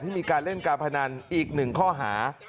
มีการเล่นการพนันอีก๑ข้อหา